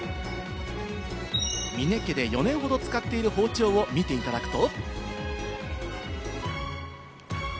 峰家で４年ほど使っている包丁を見ていただくと。